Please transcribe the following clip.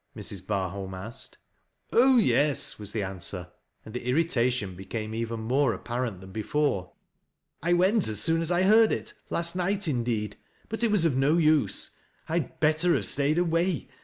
Mrs. Barholm asked. " Oh I yes," was the answer, and the irritation became even more apparent than before. " I went as soon as 1 heard it, last night indeed ; but it was of no use. I had better have stayed away.